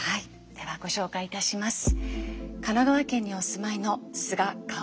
ではご紹介いたします。